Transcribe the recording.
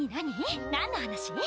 何の話？